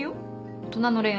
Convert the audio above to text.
大人の恋愛。